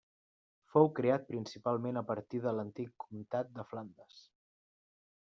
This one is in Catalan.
Fou creat principalment a partir de l'antic comtat de Flandes.